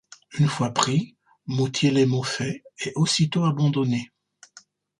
Une fois pris, Moutiers-les-Mauxfaits est aussitôt abandonné.